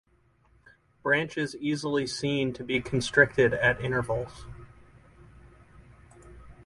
Branches easily seen to be constricted at intervals.